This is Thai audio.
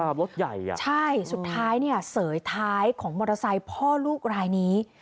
รถใหญ่อ่ะใช่สุดท้ายเนี่ยเสยท้ายของมอเตอร์ไซค์พ่อลูกรายนี้